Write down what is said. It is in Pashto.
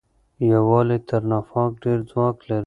یووالی تر نفاق ډېر ځواک لري.